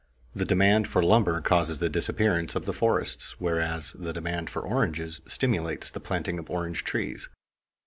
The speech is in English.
The demand for lumber causes the disappearance of the forests, whereas the demand for oranges stimulates the planting of orange trees.